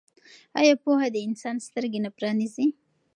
آیا پوهه د انسان سترګې نه پرانیزي؟